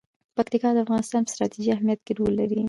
پکتیکا د افغانستان په ستراتیژیک اهمیت کې رول لري.